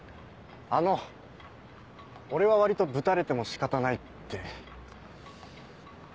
あの俺は割とぶたれても仕方ないって。